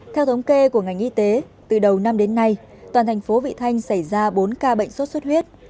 theo thống kê của ngành y tế từ đầu năm đến nay toàn thành phố vị thanh xảy ra bốn ca bệnh sốt xuất huyết